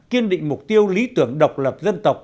kiên định mục tiêu lý tưởng độc lập dân tộc